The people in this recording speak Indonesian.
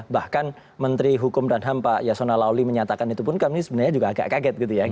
bahkan menteri hukum dan ham pak yasona lawli menyatakan itu pun kami sebenarnya juga agak kaget gitu ya